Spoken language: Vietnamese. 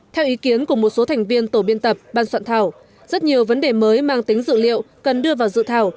theo ý kiến của một số thành viên tổ biên tập ban soạn thảo rất nhiều vấn đề mới mang tính dự liệu cần đưa vào dự thảo